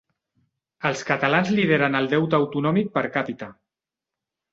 Els catalans lideren el deute autonòmic per càpita.